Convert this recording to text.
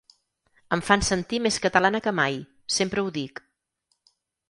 Em fan sentir més catalana que mai, sempre ho dic.